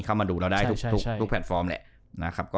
เข้ามาดูเราได้ทุกแพลตฟอร์มแหละนะครับ